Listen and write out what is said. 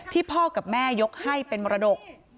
พ่อกับแม่ยกให้เป็นมรดก